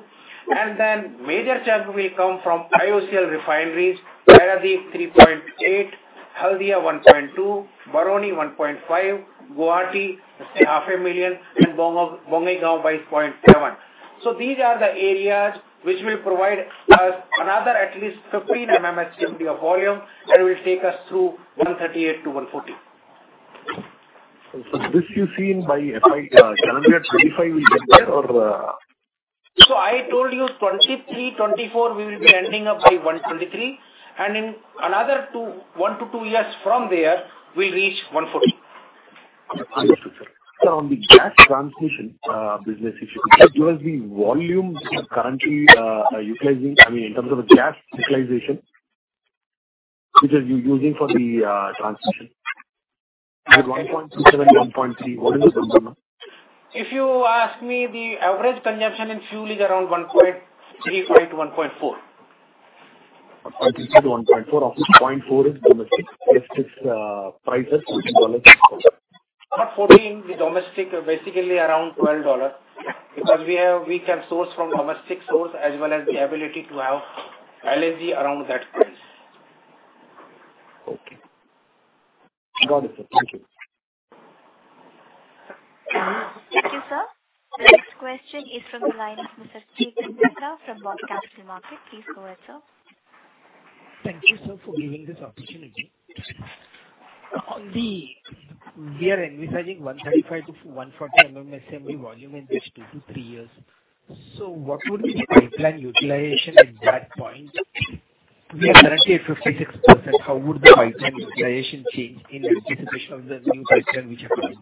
C: Then major chunk will come from IOCL refineries, Hyderabad 3.8, Haldia 1.2, Barauni 1.5, Guwahati, say, 500,000, and Bombay, Bombay ga by 700,000. These are the areas which will provide us another at least 15 MMSCMD of volume, and will take us through 138–140.
M: This you see in by fiscal calendar 2025 will get there or?
C: I told you 2023/2024, we will be ending up by 123, and in another one tontwo years from there, we'll reach 140.
M: Understood, sir. On the gas transmission business, if you can give us the volume you are currently utilizing, I mean, in terms of the gas utilization, which are you using for the transmission? Is it 1.27, 1.3? What is the number?
C: If you ask me, the average consumption in fuel is around 1.3-1.4.
M: 1.3 to 1.4. Of this, 0.4 is domestic. If this price is $14.
C: Not $14, the domestic are basically around $12, because we have—we can source from domestic source as well as the ability to have LNG around that price.
M: Okay. Got it, sir. Thank you.
A: Thank you, sir. The next question is from the line of Mr. Kirtan Mehta from BOB Capital Market. Please go ahead, sir.
N: Thank you, sir, for giving this opportunity. We are envisaging 135–140 MMSCMD volume in just two to three years. What would be the pipeline utilization at that point? We are currently at 56%. How would the pipeline utilization change in anticipation of the new pipeline which are coming?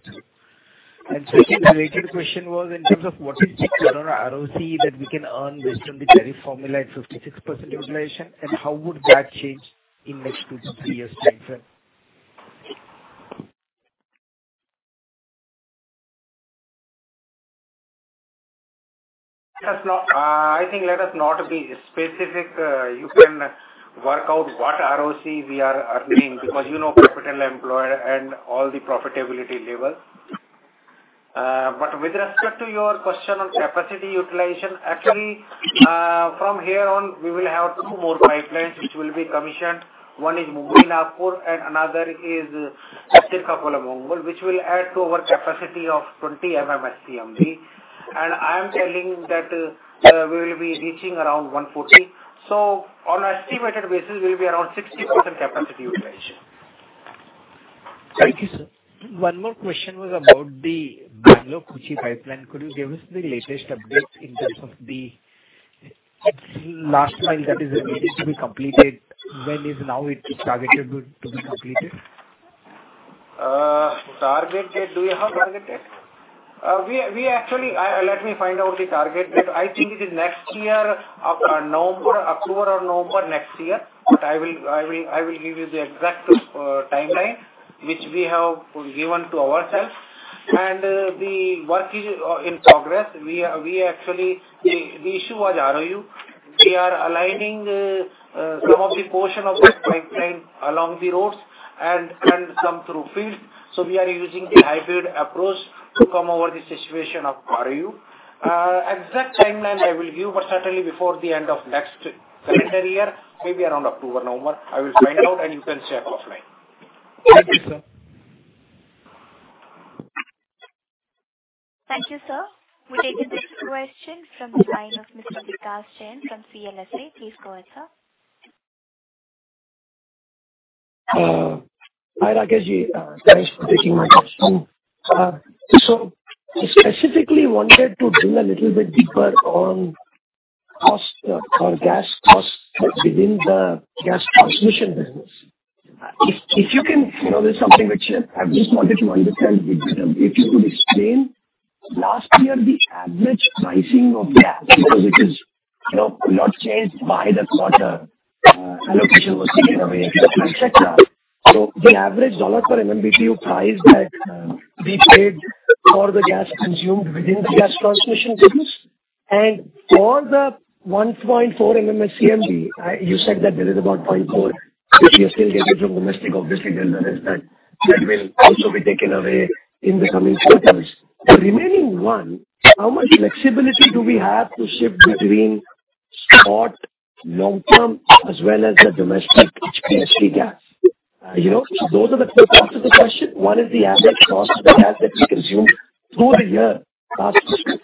N: Second related question was in terms of what is the current ROC that we can earn based on the tariff formula at 56% utilization, and how would that change in next two to three years timeframe?
C: That's not—I think let us not be specific. You can work out what ROC we are earning, because you know capital employed and all the profitability levels. But with respect to your question on capacity utilization, actually, from here on, we will have two more pipelines which will be commissioned. One is Mumbai-Nagpur, and another is Hathirka-Kolhapur, which will add to our capacity of 20 MMSCMD. I am telling that, we will be reaching around 140, so on estimated basis, we will be around 60% capacity utilization.
N: Thank you, sir. One more question was about the Bangalore-Kochi pipeline. Could you give us the latest updates in terms of the last mile that is remaining to be completed? When is now it targeted to be completed?
C: Target date, do you have target date? We actually, let me find out the target date. I think it is next year, November, October or November next year. I will give you the exact timeline, which we have given to ourselves. The work is in progress. We actually, the issue was ROU. We are aligning some of the portion of this pipeline along the roads and some through fields. We are using the hybrid approach to come over the situation of ROU. Exact timeline I will give, but certainly before the end of next calendar year, maybe around October, November. I will find out and you can check offline.
N: Thank you, sir.
A: Thank you, sir. We take the next question from the line of Mr. Vikas Jain from CLSA. Please go ahead, sir.
O: Hi, Rakeshji, thanks for taking my question. Specifically wanted to drill a little bit deeper on cost or gas cost within the gas transmission business. If you can, you know, there's something which I just wanted to understand, if you could explain, last year the average pricing of gas, because it is, you know, not changed by the quarter, allocation was taken away, et cetera. The average dollar per MMBtu price that we paid for the gas consumed within the gas transmission business, and for the 1.4 MMSCMD, You said that there is about 0.4, which we are still getting from domestic, obviously, there is that, that will also be taken away in the coming quarters. The remaining one, how much flexibility do we have to shift between spot, long term, as well as the domestic HPSC gas? You know, those are the two parts of the question. One is the average cost of the gas that we consumed through the year last year,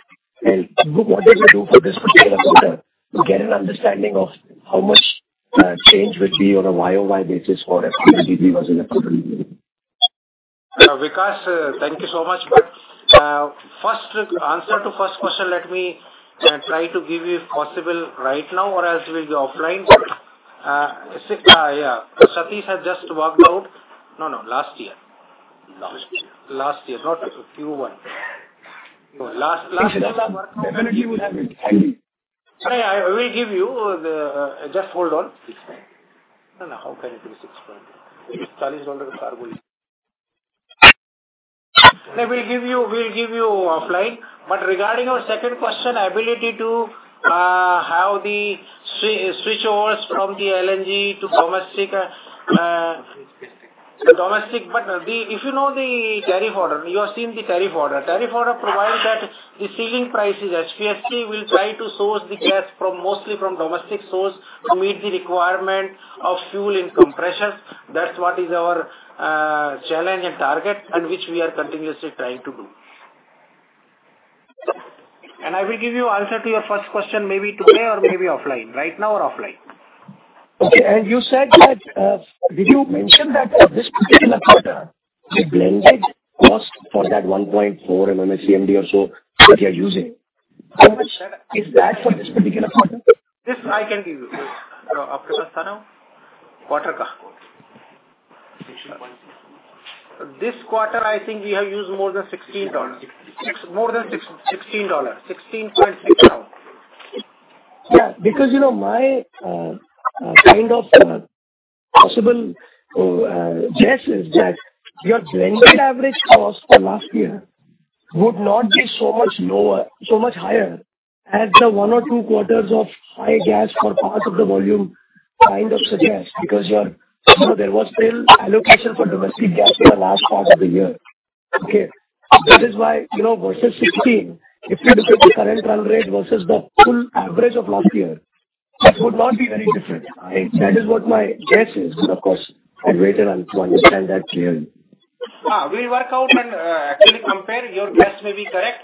O: and what did we do for this particular quarter to get an understanding of how much change will be on a YoY basis for FPGD was in the quarter?
C: Vikash, thank you so much. First, answer to first question, let me try to give you, if possible, right now or else will be offline. Yeah, Satish has just worked out. No, no, last year.
O: Last year.
C: Last year, not Q1. No, last year.
O: Energy will have it.
C: I will give you the, just hold on.
O: 69.
C: No, no, how can it be 69? Maybe Charlie is already far gone. We will give you, we'll give you offline. Regarding your second question, ability to have the switchovers from the LNG to domestic, domestic. If you know the tariff order, you have seen the tariff order. Tariff order provides that the ceiling prices, HPSC, will try to source the gas from mostly from domestic source to meet the requirement of fuel in compressors. That's what is our challenge and target, and which we are continuously trying to do. I will give you answer to your first question, maybe today or maybe offline. Right now or offline.
O: Okay. You said that, did you mention that for this particular quarter, the blended cost for that 1.4 MMSCMD or so that you're using, how much is that for this particular quarter?
C: This I can give you. Quarter ka?
N: 16.6.
C: This quarter, I think we have used more than $16.
O: Six-
C: More than 6, $16. $16.6.
O: Yeah, because, you know, my kind of possible guess is that your blended average cost for last year would not be so much lower—so much higher as the one or two quarters of high gas for parts of the volume kind of suggest, because your. There was still allocation for domestic gas in the last part of the year. Okay? That is why, you know, versus 16, if you look at the current run rate versus the full average of last year, that would not be very different. I—that is what my guess is, of course, and later on to understand that clearly.
C: Ah, we'll work out and actually compare. Your guess may be correct.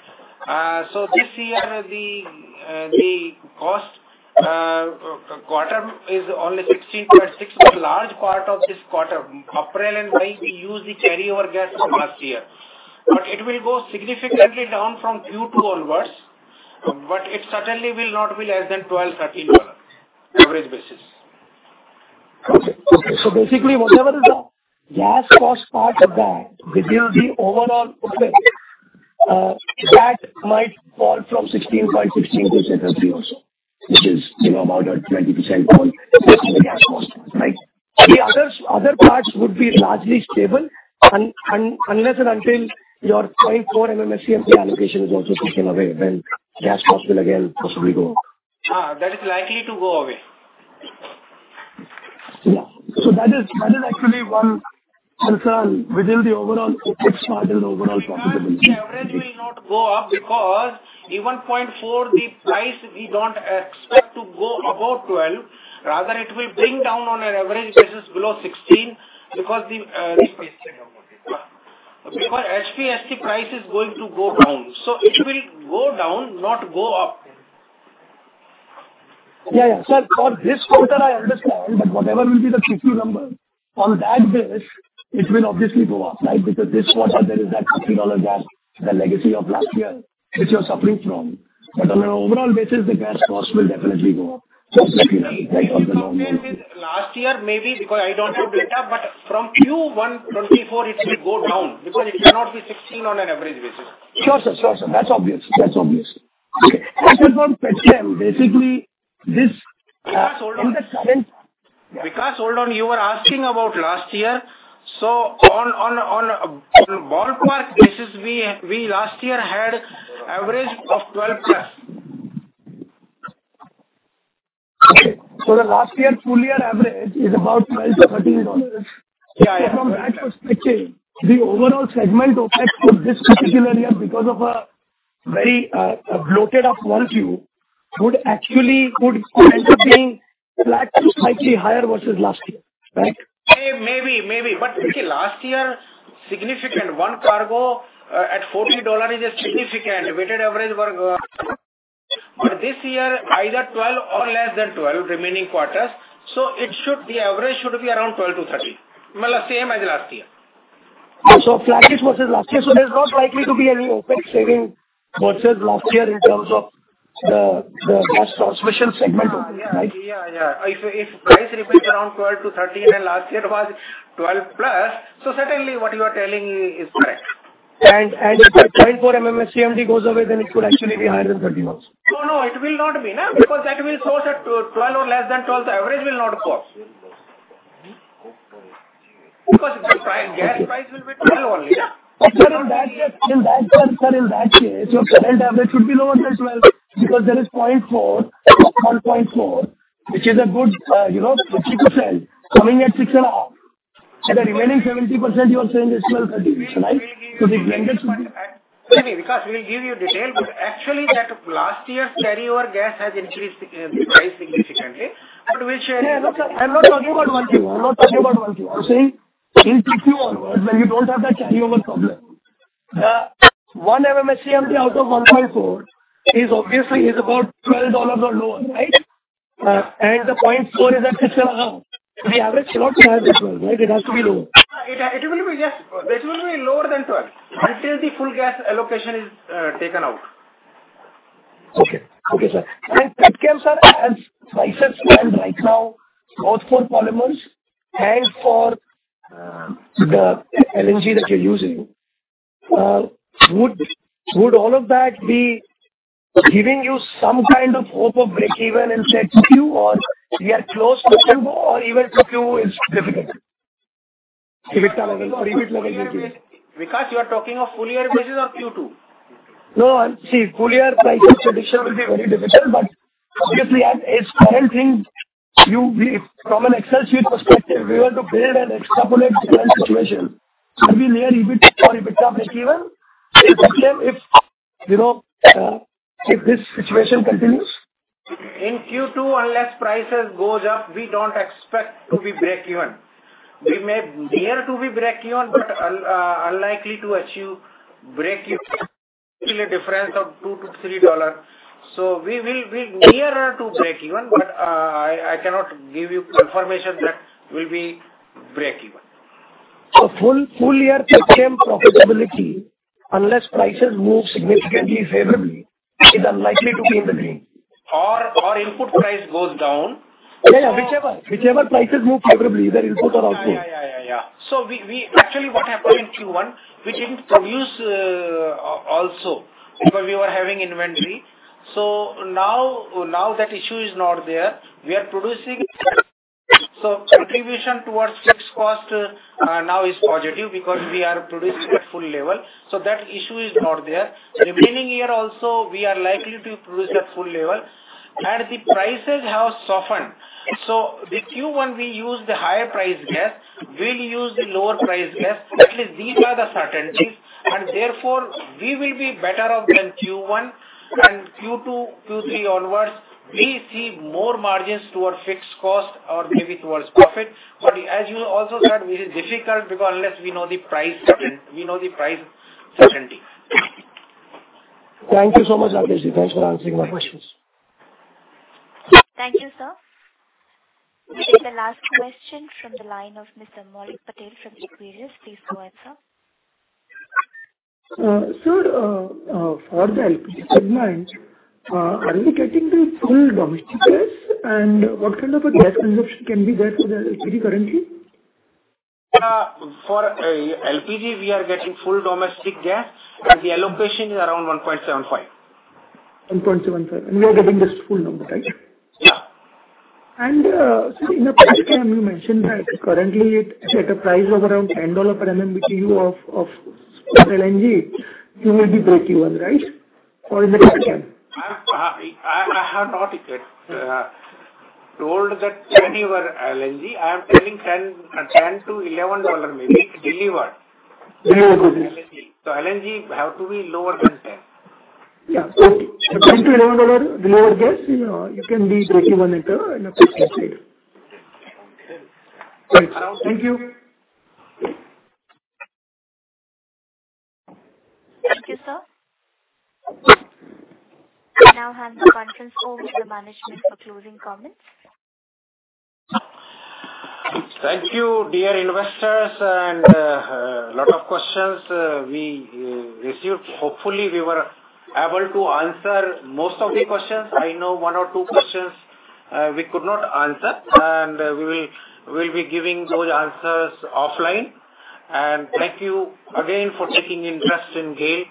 C: So this year, the cost quarter is only 16.6. A large part of this quarter, April and May, we used the carryover gas from last year. It will go significantly down from Q2 onwards, but it certainly will not be less than $12-$13, average basis.
O: Okay, okay. Basically, whatever is the gas cost part of that within the overall, that might fall from 16.16 to 7.3 or so, which is, you know, about a 20% fall in the gas cost, right? The other, other parts would be largely stable unless and until your 0.4 MMSCF allocation is also taken away, then gas cost will again possibly go up.
C: That is likely to go away.
O: Yeah. That is, that is actually one concern within the overall OpEx margin, overall profitability.
C: The average may not go up because even 0.4, the price we don't expect to go above 12. Rather, it will bring down on an average basis below 16, because the because HPS, the price is going to go down. It will go down, not go up.
O: Yeah, yeah. Sir, for this quarter I understand. Whatever will be the Q2 number, on that basis, it will obviously go up, right? This quarter there is that $50 gas, the legacy of last year, which you're suffering from. On an overall basis, the gas cost will definitely go.
C: With last year, maybe because I don't have data, but from Q1 2024 it will go down, because it cannot be 16 on an average basis.
O: Sure, sir. Sure, sir. That's obvious. That's obvious. Okay. Basically, this, in the current-
C: Vikash, hold on. You were asking about last year, so on a ballpark basis, we last year had average of $12+.
O: Okay. The last year, full year average is about $12-$13.
C: Yeah, yeah.
O: From that perspective, the overall segment OpEx for this particular year, because of a very bloated of 1Q, would actually could end up being flat to slightly higher versus last year, right?
C: May-maybe, maybe. Last year, significant. One cargo at $40 is a significant weighted average for... This year, either 12 or less than 12, remaining quarters, so it should be, average should be around 12-13. Well, the same as last year.
O: Flattish versus last year, so there's not likely to be any OpEx saving versus last year in terms of the, the gas transmission segment, right?
C: Yeah, yeah. If, if price remains around 12-13, and last year was 12+, so certainly what you are telling is correct.
O: If the 0.4 MMSCFD goes away, then it could actually be higher than 13 also.
C: No, no, it will not be, nah? That will source at $12 or less than $12, the average will not cost. The price, gas price will be $12 only.
O: Sir, in that case, in that case, sir, in that case, your current average should be lower than 12, because there is 0.4, 1.4, which is a good, 60% coming at 6.5. The remaining 70%, you are saying is 12, 13, right? The blended-
C: We’ll give you detail, but actually that last year's carryover gas has increased, price significantly, but which.
O: Yeah, I'm not talking about 1Q. I'm not talking about 1Q. I'm saying in Q2 onwards, when you don't have that carryover problem. 1 MMSCF out of 1.4 is obviously is about $12 or lower, right? The 0.4 is at 6.5. The average cannot be higher than 12, right? It has to be lower.
C: This will be lower than 12 until the full gas allocation is taken out.
O: Okay. Okay, sir. Petchem, sir, as prices stand right now, both for polymers and for the LNG that you're using, would all of that be giving you some kind of hope of breakeven in Q2, or we are close to them, or even Q2 is difficult?
C: Vikash, you are talking of full year basis or Q2?
O: No, I'm. See, full year prices prediction will be very difficult, but obviously, I'm, if I am thinking you, we, from an Excel sheet perspective, we were to build and extrapolate the current situation, so it will be near EBITDA or EBITDA breakeven? Petchem, if, you know, if this situation continues.
C: In Q2, unless prices goes up, we don't expect to be breakeven. We may near to be breakeven, but unlikely to achieve breakeven. Still a difference of $2-$3, so we will be nearer to breakeven, but I cannot give you confirmation that we'll be breakeven.
O: Full year petchem profitability, unless prices move significantly favorably, is unlikely to be in the green?
C: Input price goes down.
O: Yeah, yeah, whichever. Whichever prices move favorably, either input or output.
C: Yeah, yeah, yeah, yeah. Actually, what happened in Q1, we didn't produce also, because we were having inventory. Now, now that issue is not there. We are producing. Contribution towards fixed cost now is positive because we are producing at full level, so that issue is not there. Remaining year also, we are likely to produce at full level, and the prices have softened. The Q1, we used the higher price gas, we'll use the lower price gas. At least these are the certain things, and therefore, we will be better off than Q1 and Q2, Q3 onwards, we see more margins toward fixed cost or maybe towards profit. As you also said, it is difficult because unless we know the price we know the price certainty.
O: Thank you so much, Rajeshji. Thanks for answering my questions.
A: Thank you, sir. This is the last question from the line of Mr. Maulik Patel from Equirus. Please go ahead, sir.
G: Sir, for the LPG segment, are you getting the full domestic gas, and what kind of a gas consumption can be there for the LPG currently?
C: For LPG, we are getting full domestic gas, and the allocation is around 1.75.
G: 1.75, we are getting this full number, right?
C: Yeah.
G: Sir, in the Petchem you mentioned that currently it's at a price of around $10 per MMBtu of LNG, you will be breakeven, right? Or in the Petchem?
C: I have not yet told that 10-year LNG. I am telling $10-$11 maybe, delivered.
G: Yeah, good.
C: LNG have to be lower than 10.
G: Yeah. $10-$11 delivered gas, you know, you can be breakeven at in a Petchem side. Thanks. Thank you.
A: Thank you, sir. I now hand the conference over to the management for closing comments.
C: Thank you, dear investors. A lot of questions we received. Hopefully, we were able to answer most of the questions. I know one or two questions we could not answer, and we will, we'll be giving those answers offline. Thank you again for taking interest in GAIL.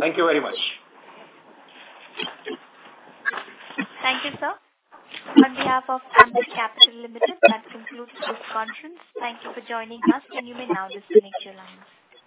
C: Thank you very much.
A: Thank you, sir. On behalf of Ambit Capital Limited, that concludes this conference. Thank you for joining us. You may now disconnect your lines.